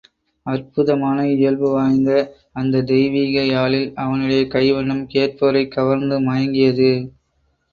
அற்புதமான இயல்பு வாய்ந்த அந்தத் தெய்வீக யாழில் அவனுடைய கைவண்ணம் கேட்போரைக் கவர்ந்து மயங்கியது.